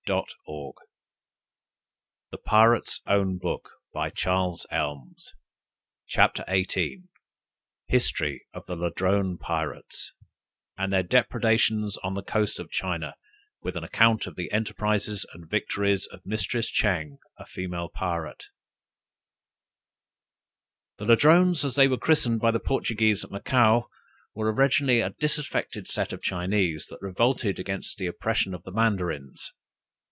[Illustration: The Dungeon Rock and Pirate's Cave, at Lynn, Mass.] HISTORY OF THE LADRONE PIRATES _And their Depredations on the Coast of China: with an Account of the Enterprises and Victories of Mistress Ching, a Female Pirate_. The Ladrones as they were christened by the Portuguese at Macao, were originally a disaffected set of Chinese, that revolted against the oppression of the Mandarins.